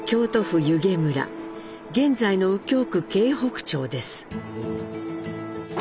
現在の右京区京北町です。